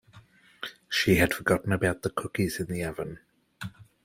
She had forgotten about the cookies in the oven.